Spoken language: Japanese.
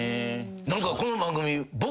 何かこの番組。